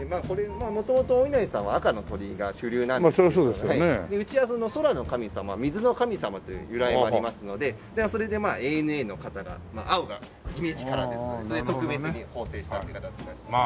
元々お稲荷さんは赤の鳥居が主流なんですけれどうちは空の神様水の神様という由来もありますのでそれでＡＮＡの方が青がイメージカラーですのでそれで特別に奉製したという形になりますね。